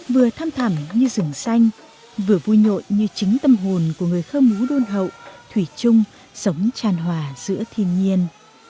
vừa thăm thẳng như rừng xanh vừa vui nhộn như chính tâm hồn của người khơ mú đôn hậu thủy chung sống tràn hòa giữa thiên nhiên